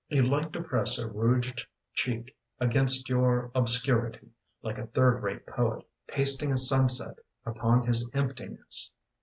You like to press a rouged cheek Against your obscurity, Like a third rate poet Pasting a sunset upon his emptiness.